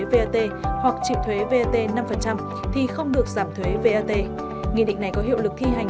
vat hoặc triệu thuế vat năm phần trăm thì không được giảm thuế vat nghị định này có hiệu lực thi hành